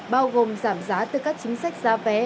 bao gồm giảm giá từ các chính sách giá vé